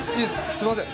すいません。